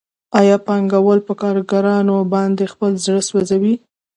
آیا پانګوال په کارګرانو باندې خپل زړه سوځوي